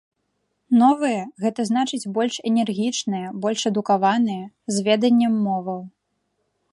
Новыя, гэта значыць больш энергічныя, больш адукаваныя, з веданнем моваў.